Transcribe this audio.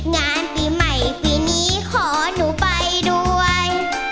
งานปีใหม่ปีนี้ขอหนูไปด้วย